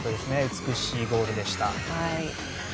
美しいゴールでした。